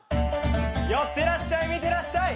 寄ってらっしゃい見てらっしゃい。